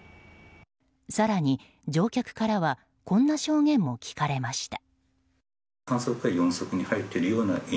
更に、乗客からはこんな証言も聞かれました。